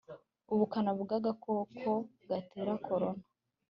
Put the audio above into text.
ubukana bwagakoko gatera korona